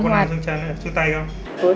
đâu có nằm trong chân trước tay không